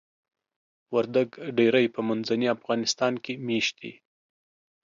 وردګ ډیری په منځني افغانستان کې میشت دي.